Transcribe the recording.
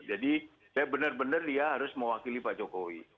jadi benar benar dia harus mewakili pak jokowi